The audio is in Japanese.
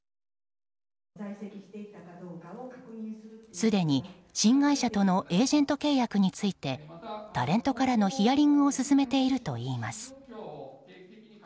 すでに新会社とのエージェント契約についてタレントからのヒアリングを進めているといいます。